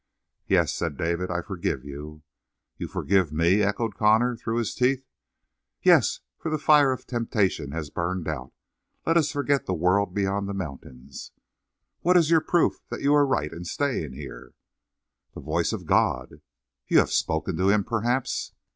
"Yet," said David, "I forgive you." "You forgive me?" echoed Connor through his teeth. "Yes, for the fire of the temptation has burned out. Let us forget the world beyond the mountains." "What is your proof that you are right in staying here?" "The voice of God." "You have spoken to Him, perhaps?"